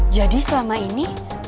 jadi selama ini